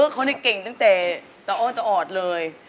เขานี่เก่งตั้งแต่ตะอ้อนตะออดเลย